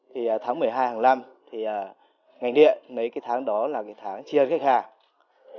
thì tháng một mươi hai hàng năm thì ngành điện lấy cái tháng đó là cái tháng chia khách hàng